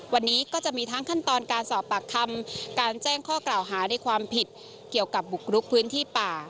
วันนี้ก็จะมีทั้งขั้นตอนการสอบปากคำการแจ้งข้อกล่าวหาในความผิดเกี่ยวกับบุกรุกพื้นที่ป่า